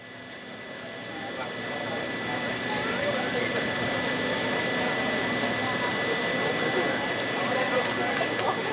โค้ก